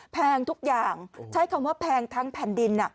แพงทุกอย่างใช้คำว่าแพงทั้งแผ่นดิน